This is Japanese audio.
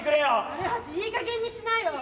丸橋いいかげんにしなよ。